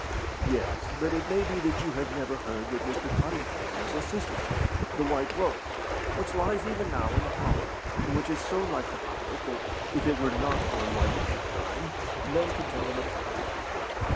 "Yes; but it may be that you have lever heard that Mr. Codrington has a sister ship, the White Rose, which lies even now in the harbour, and which is so like the pirate, that, if it were not for a white paint line, none could tell them apart."